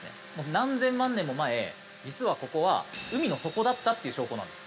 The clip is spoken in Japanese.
何千万年も前実はここは海の底だったっていう証拠なんです。